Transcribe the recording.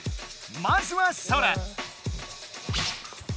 まずはソラ。